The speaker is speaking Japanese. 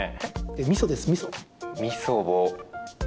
みそです、みそ。